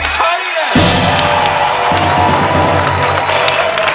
ใช่